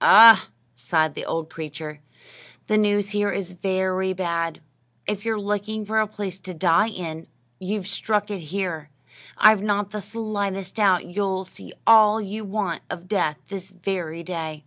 "Ah!" sighed the old creature; "the news here is very bad. If you're looking for a place to die in, you've struck it here. I've not the slightest doubt you'll see all you want of death this very day."